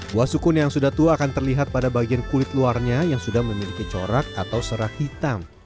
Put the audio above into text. buah sukun yang sudah tua akan terlihat pada bagian kulit luarnya yang sudah memiliki corak atau serak hitam